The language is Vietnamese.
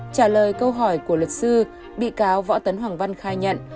trả lời câu hỏi của luật sư bị cáo võ tấn hoàng văn khai nhận